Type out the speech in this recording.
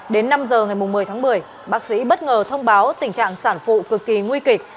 đến năm h ngày một mươi tháng một mươi bác sĩ bất ngờ thông báo tình trạng sản phụ cực kỳ nguy kịch